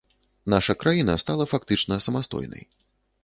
Наша краіна стала фактычна самастойнай.